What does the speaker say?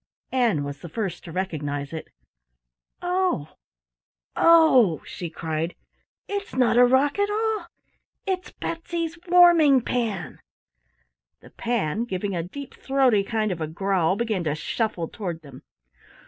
Ann was the first to recognize it. "Oh, oh," she cried, "it's not a rock at all it's Betsy's Warming pan!" The Pan, giving a deep throaty kind of growl, began to shuffle toward them.